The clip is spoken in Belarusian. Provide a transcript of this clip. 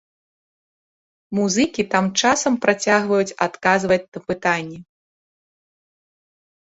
Музыкі тым часам працягваюць адказваць на пытанні.